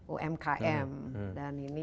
umkm dan ini